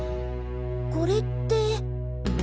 これって。